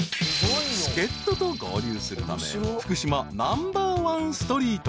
［助っ人と合流するため福島ナンバーワンストリートへ］